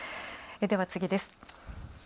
では、次です。